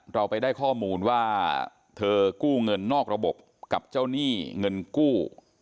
เราไปได้ข้อมูลว่าเธอกู้เงินนอกระบบกับเจ้าหนี้เงินกู้